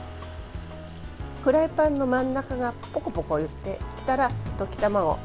フライパンの真ん中がぽこぽこいってきたら溶き卵。